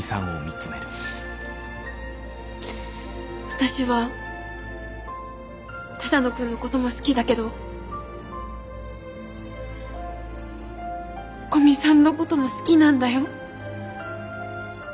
私は只野くんのことも好きだけど古見さんのことも好きなんだよ。